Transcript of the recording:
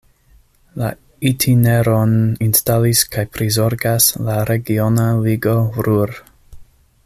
La itineron instalis kaj prizorgas la Regiona Ligo Ruhr.